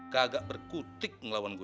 kagak berkutik ngelawan gue